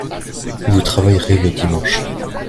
Vous travaillerez le dimanche